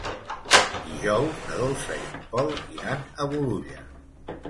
Dijous na Dolça i en Pol iran a Bolulla.